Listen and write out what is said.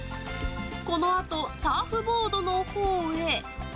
このあと、サーフボードのほうへ。